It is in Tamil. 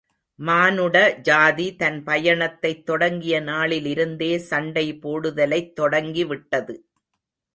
மானுட ஜாதி தன் பயணத்தைத் தொடங்கிய நாளிலிருந்தே சண்டை போடுதலைத் தொடங்கிவிட்டது.